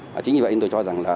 và chính như vậy tôi cho rằng là